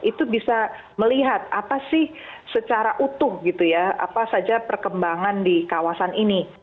itu bisa melihat apa sih secara utuh gitu ya apa saja perkembangan di kawasan ini